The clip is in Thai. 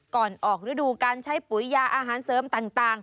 ก่อนออกฤดูการใช้ปุ๋ยยาอาหารเสริมต่าง